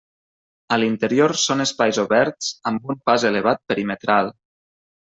A l'interior són espais oberts amb un pas elevat perimetral.